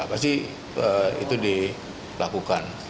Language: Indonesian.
pasti itu dilakukan